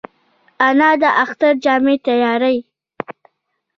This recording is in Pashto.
انا د اختر جامې تیاروي